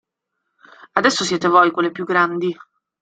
Adesso siete voi quelle più grandi.